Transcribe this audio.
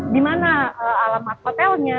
di mana alamat hotelnya